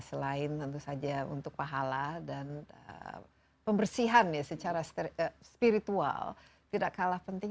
selain tentu saja untuk pahala dan pembersihan ya secara spiritual tidak kalah penting